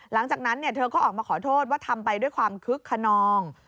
หลังจากนั้นเธอก็ออกมาขอโทษว่าทำไปด้วยความคึกขนอง